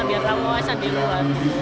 biar tahu asal di luar